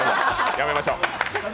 やめましょう。